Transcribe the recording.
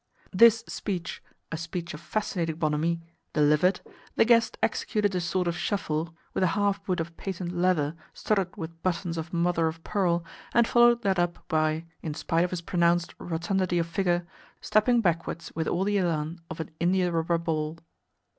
This speech a speech of fascinating bonhomie delivered, the guest executed a sort of shuffle with a half boot of patent leather studded with buttons of mother of pearl, and followed that up by (in spite of his pronounced rotundity of figure) stepping backwards with all the elan of an india rubber ball.